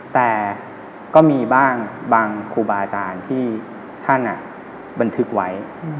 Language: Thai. แต่ก็มีบ้างบางครูบาอาจารย์ที่ท่านบันทึกไว้